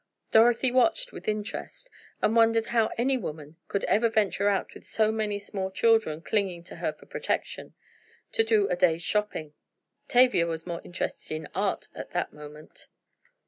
Dorothy watched with interest, and wondered how any woman could ever venture out with so many small children clinging to her for protection, to do a day's shopping. Tavia was more interested in art at that moment.